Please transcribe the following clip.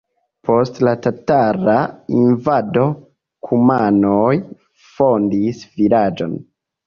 Post la tatara invado kumanoj fondis vilaĝon.